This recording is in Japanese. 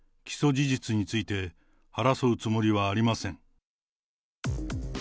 起訴事実について争うつもりはありません。